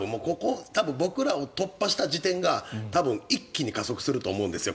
多分僕らを突破した時点が多分一気に加速すると思うんですよ